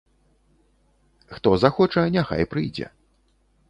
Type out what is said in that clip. Хто захоча, няхай прыйдзе.